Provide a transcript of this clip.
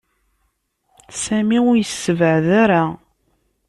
Sami ur yessebɛed ara.